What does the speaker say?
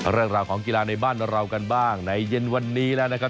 เรื่องราวของกีฬาในบ้านเรากันบ้างในเย็นวันนี้แล้วนะครับ